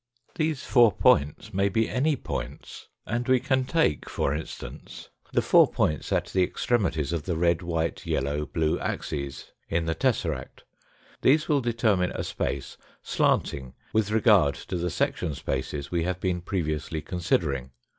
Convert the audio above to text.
These four points may be any points, and we can take, for instance, the four points at the extremities of the red, white, yellow, blue axes, in the tesseract. These will determine a space slanting with regard to the section spaces we have been previously considering.